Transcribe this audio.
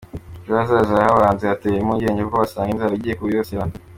Ejo hazaza h’aba bahinzi habateye impungenge kuko basanga inzara igiye kubibasira.